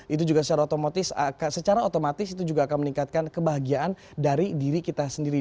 itu juga secara otomatis itu juga akan meningkatkan kebahagiaan dari diri kita sendiri